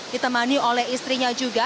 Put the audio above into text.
ditemani oleh istrinya juga